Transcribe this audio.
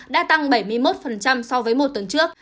đã tăng bảy mươi một so với một tuần trước